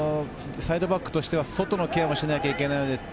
サイドバックとしては外のケアもしなくてはいけない。